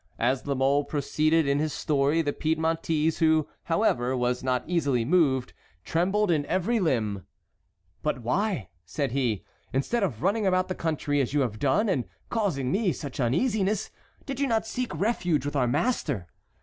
As La Mole proceeded in his story the Piedmontese, who, however, was not easily moved, trembled in every limb. "But why," said he, "instead of running about the country as you have done, and causing me such uneasiness, did you not seek refuge with our master?